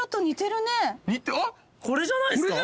これじゃないっすか？